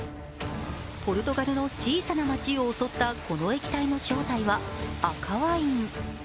ポルトガルの小さな街を襲ったこの液体の正体は、赤ワイン。